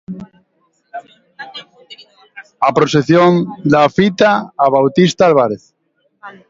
A proxección da fita a Bautista Álvarez.